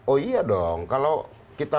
oh iya dong kalau kita